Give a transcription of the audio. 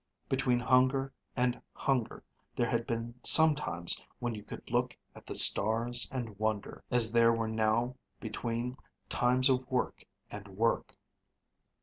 Between hunger and hunger there had been some times when you could look at the stars and wonder, as there were now between times of work and work.